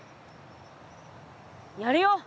やるよ。